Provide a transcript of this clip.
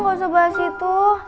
gak usah bahas itu